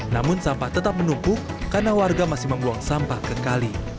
namun sampah tetap menumpuk karena warga masih membuang sampah ke kali